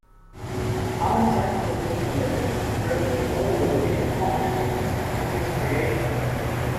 Allan's output was prolific, and virtually all the Look-In comic strips were his creations.